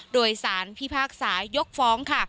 โดยสารพิพากษายกฟ้องค่ะ